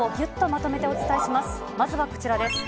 まずはこちらです。